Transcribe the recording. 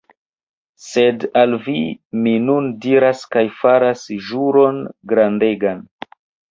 Sed al vi mi nun diras kaj faras ĵuron grandegan.